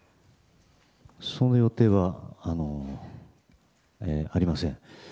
その予定はありません。